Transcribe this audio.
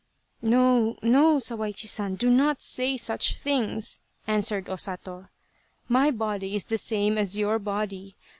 " No, no, Sawaichi San, do not say such things," answered O Sato. " My body is the same as your body.